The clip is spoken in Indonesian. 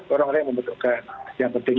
orang orang yang membutuhkan yang penting